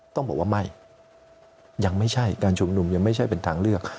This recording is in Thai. ต้องบอกว่าไม่ยังไม่ใช่การชุมนุมยังไม่ใช่เป็นทางเลือก